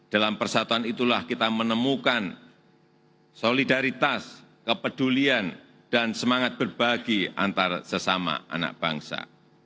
dalam persatuan itulah kita menemukan solidaritas kepedulian dan semangat berbagi antar sesama anak bangsa